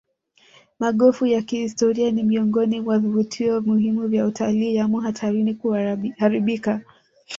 Magofu ya kihistoria ni miongoni mwa vivutio muhimu vya utalii yamo hatarini kuharibika